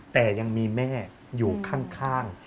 แต่ยังมีแม่อยู่ข้าง